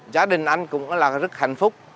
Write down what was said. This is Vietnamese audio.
gia đình anh cũng rất hạnh phúc